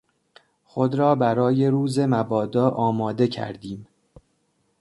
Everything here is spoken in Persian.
خود را برای روز مبادا آماده کردیم.